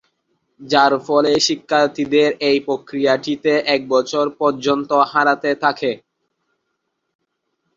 যার ফলে শিক্ষার্থীদের এই প্রক্রিয়াটিতে এক বছর পর্যন্ত হারাতে থাকে।